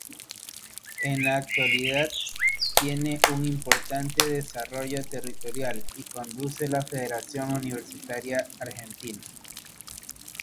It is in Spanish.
En la actualidad tiene un importante desarrollo territorial y conduce la Federación Universitaria Argentina.